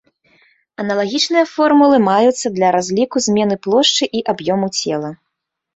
Аналагічныя формулы маюцца для разліку змены плошчы і аб'ёму цела.